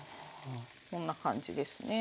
こんな感じですね。